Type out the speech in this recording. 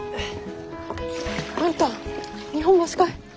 あんた日本橋かい？